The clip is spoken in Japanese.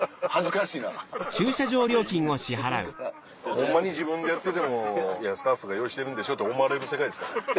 ホンマに自分でやっててもスタッフが用意してるんでしょって思われる世界ですから。